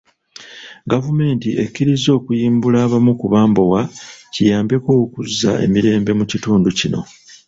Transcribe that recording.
Gavumenti ekkiriza okuyimbula abamu ku bambowa, kiyambeko okuzza emirembe mu kitundu kino.